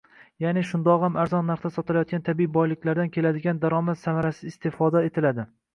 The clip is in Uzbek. Ya’ni, shundog‘am arzon narxda sotilayotgan tabiiy boyliklardan keladigan daromad samarasiz istifoda etiladi.